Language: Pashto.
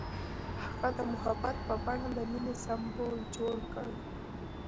هغه د محبت په بڼه د مینې سمبول جوړ کړ.